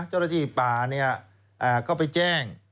เจ้าหน้าที่ป่าเนี่ยเขาไปแจ้ง